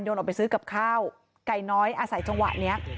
ออกไปซื้อกับข้าวไก่น้อยอาศัยจังหวะเนี้ย